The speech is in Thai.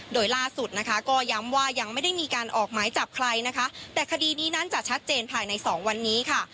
โดยล่าสุดนะคะก็ย้ำว่ายังไม่ได้มีการออกหมายจับใครนะคะแต่คดีนี้นั้นจะชัดเจนภายในสองวันนี้ค่ะ